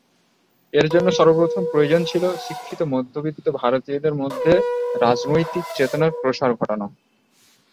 এর জন্য সর্বপ্রথম প্রয়োজন ছিল শিক্ষিত মধ্যবিত্ত ভারতীয়দের মধ্যে রাজনৈতিক চেতনার প্রসার ঘটানো।